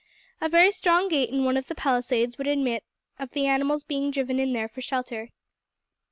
A very strong gate in one of the palisades would admit of the animals being driven in there for shelter.